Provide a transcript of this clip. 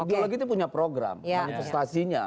ideologi itu punya program manifestasinya